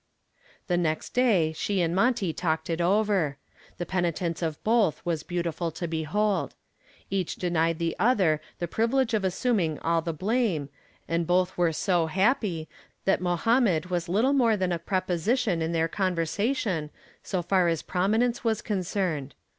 The next day she and Monty talked it over. The penitence of both was beautiful to behold. Each denied the other the privilege of assuming all the blame and both were so happy that Mohammed was little more than a preposition in their conversation so far as prominence was concerned.